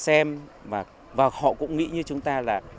xem và họ cũng nghĩ như chúng ta là